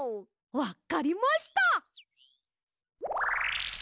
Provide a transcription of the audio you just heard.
わっかりました！